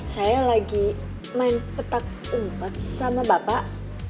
saya lagi main petak umpet sama bapak